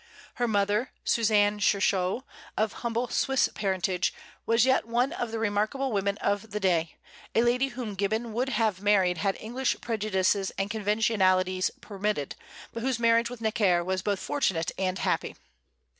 Her mother, Susanne Curchod, of humble Swiss parentage, was yet one of the remarkable women of the day, a lady whom Gibbon would have married had English prejudices and conventionalities permitted, but whose marriage with Necker was both fortunate and happy.